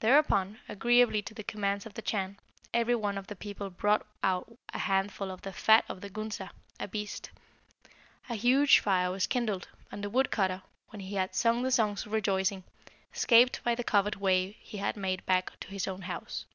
Thereupon, agreeably to the commands of the Chan, every one of the people brought out a handful of the fat of the Gunsa (a beast). A huge fire was kindled, and the wood cutter, when he had sung the songs of rejoicing, escaped by the covered way he had made back to his own house.